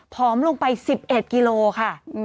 ผอมลงไป๑๑กิโลค่ะ